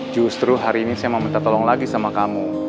justru hari ini saya mau minta tolong lagi sama kamu